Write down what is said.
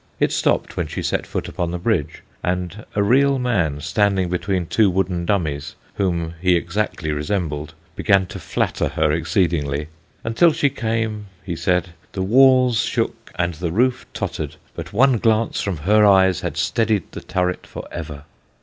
It stopped when she set foot upon the bridge, and a real man, standing between two wooden dummies whom he exactly resembled, began to flatter her exceedingly. Until she came, he said, the walls shook and the roof tottered, but one glance from her eyes had steadied the turret for ever.